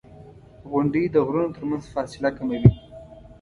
• غونډۍ د غرونو ترمنځ فاصله کموي.